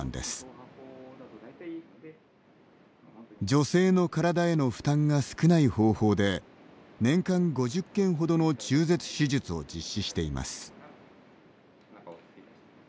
女性の体への負担が少ない方法で年間５０件ほどの中絶手術を実施しています。